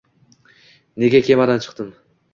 Nega komadan chiqdim